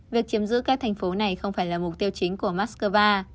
việc chiếm giữ các thành phố này không phải là mục tiêu chính của moscow